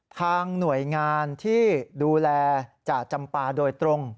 ทางหน่วยงานที่ดูแลจ่าจำปาโดยตรง